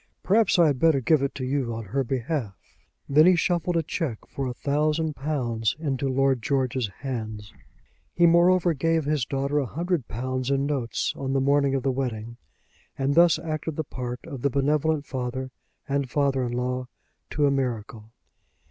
Perhaps I had better give it to you on her behalf." Then he shuffled a cheque for a thousand pounds into Lord George's hands. He moreover gave his daughter a hundred pounds in notes on the morning of the wedding, and thus acted the part of the benevolent father and father in law to a miracle.